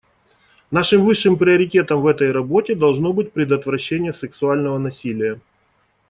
Нашим высшим приоритетом в этой работе должно быть предотвращение сексуального насилия.